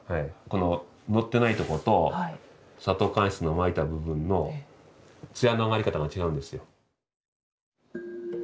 こののってないとこと砂糖乾漆のまいた部分の艶のあがり方が違うんですよ。